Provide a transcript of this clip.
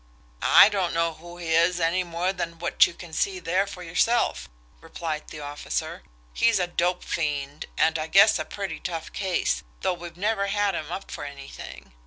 "I don't know who he is any more than what you can see there for yourself," replied the officer. "He's a dope fiend, and I guess a pretty tough case, though we've never had him up for anything.